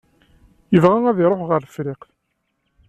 Yebɣa ad iṛuḥ ɣer Tefriqt.